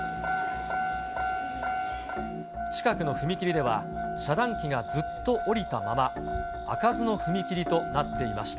近くの踏切では、遮断機がずっと下りたまま、開かずの踏切となっていました。